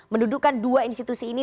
mendudukan dua institusi ini